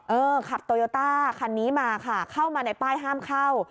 เออขับโตโยต้าคันนี้มาค่ะเข้ามาในป้ายห้ามเข้า